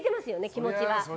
気持ちが。